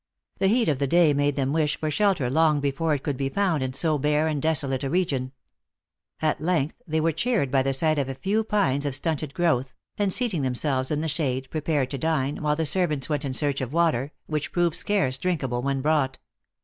The heat of the day made them wish for shelter long before it could be found in so bare and desolate a region. At length they were cheered by the sight of a few pines of stunted growth, and seating themselves in the shade, prepared to dine, while the servants went in search of water, which proved scarce drinkable when brought.